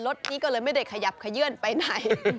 รถนี้ก็เลยไม่ได้ขยับขยื่นไปไหน